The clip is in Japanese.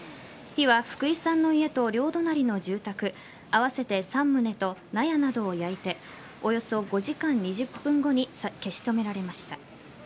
火は福井さんの家と両隣の住宅合わせて３棟と納屋などを焼いておよそ５時間２０分後に消し止められました。